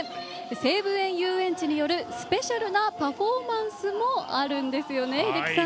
西武園ゆうえんちによるスペシャルなパフォーマンスもあるんですよね英樹さん。